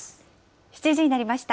７時になりました。